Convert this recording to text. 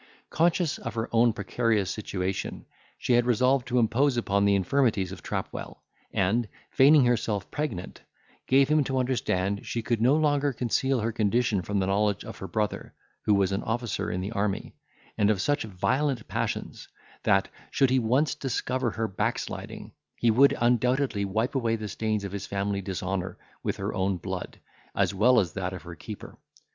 Conscious of her own precarious situation, she had resolved to impose upon the infirmities of Trapwell, and, feigning herself pregnant, gave him to understand she could no longer conceal her condition from the knowledge of her brother, who was an officer in the army, and of such violent passions, that, should he once discover her backsliding, he would undoubtedly wipe away the stains of his family dishonour with her own blood, as well as that of her keeper.